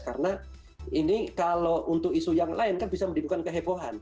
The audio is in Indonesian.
karena ini kalau untuk isu yang lain kan bisa menimbulkan kehebohan